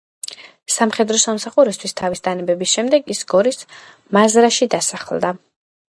სამხედრო სამსახურისათვის თავის დანებების შემდეგ ის გორის მაზრაში დასახლდა.